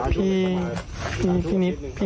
พี่นิทพี่นิทเปิด